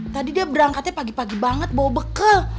tadi dia berangkatnya pagi pagi banget bawa bekal